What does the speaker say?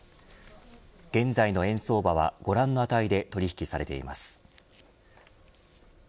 現在の円相場はご覧の値で取り引きされています。